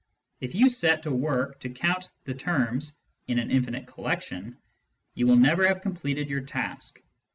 If you set to work to count the terms in an infinite collection, you will never have completed your task.